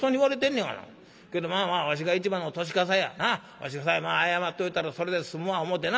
わしさえ謝っといたらそれで済むわ思うてな